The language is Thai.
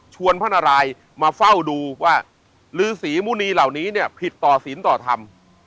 พระนารายมาเฝ้าดูว่าลือศรีมุณีเหล่านี้เนี่ยผิดต่อศีลต่อธรรม